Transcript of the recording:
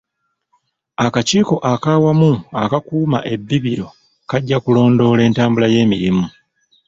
Akakiiko ak'Awamu Akakuuma Ebibira kajja kulondoola entambula y'emirimu.